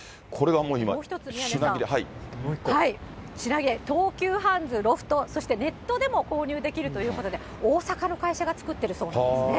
宮根さん、東急ハンズ、ロフト、そしてネットでも購入できるということで、大阪の会社が作ってるそうなんですね。